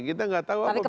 kita gak tahu apa pikiran